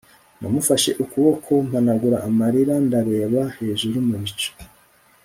namufashe ukuboko mpanagura amarira ndareba hejuru mu bicu